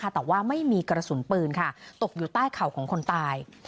แต่ว่าไม่มีกระสุนปืนตกอยู่ใต้เข่าของคนตาย